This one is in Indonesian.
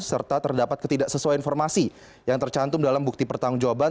serta terdapat ketidaksesuaian informasi yang tercantum dalam bukti pertanggungjawaban